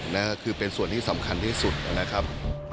นั่นก็คือเป็นส่วนที่สำคัญที่สุดนะครับ